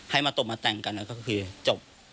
ให้มาตบมาแต่งกันก็คือจบ